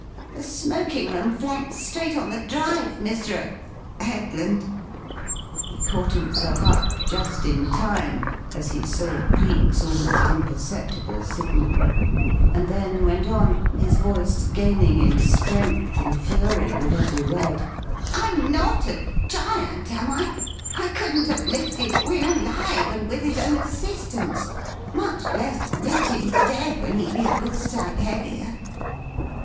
The smoking room flanks straight on the drive, Mr. er Headland " He caught himself up just in time as he saw Cleek's almost imperceptible signal, and then went on, his voice gaining in strength and fury with every word: "I'm not a giant, am I? I couldn't have lifted Wynne alive and with his own assistance, much less lift him dead when he'd be a good sight heavier.